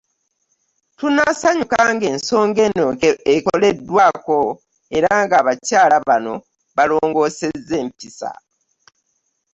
Tunaasanyuka ng’ensonga eno ekoleddwako era ng’abakyala bano balongoosezza empisa.